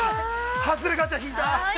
◆外れガチャ引いた。